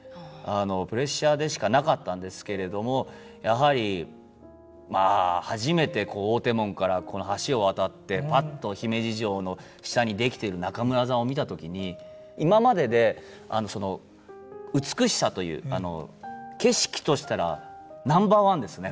プレッシャーでしかなかったんですけれどもやはりまあ初めてこう大手門からこの橋を渡ってパッと姫路城の下に出来てる中村座を見た時に今までで美しさという景色としたらナンバーワンですね